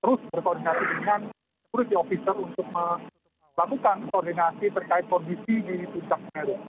terus berkoordinasi dengan security officer untuk melakukan koordinasi terkait kondisi di puncak meru